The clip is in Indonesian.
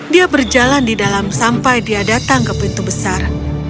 dia berjalan di dalam sampai dia datang ke pintu besar